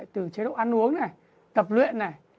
từ chế độ ăn uống này tập luyện này